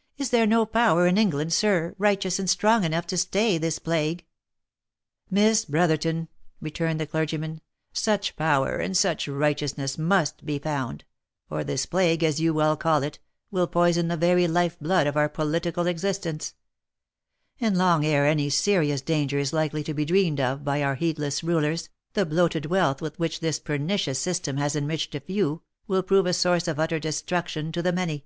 " Is there no power in Eng land, sir, righteous and strong enough to stay this plague V 9 " Miss Brotherton!" returned the clergyman, " such power, and such righteousness, must be found, or this plague, as you well call it, will poison the very life blood of our political existence ; and long ere any serious danger is likely to be dreamed of by our heedless rulers, the bloated wealth with which this pernicious system has enriched a few, will prove a source of utter destruction to the many.